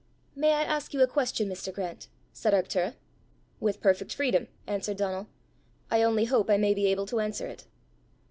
"May I ask you a question, Mr. Grant?" said Arctura. "With perfect freedom," answered Donal. "I only hope I may be able to answer it."